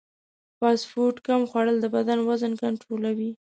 فاسټ فوډ کم خوړل د بدن وزن کنټرولوي.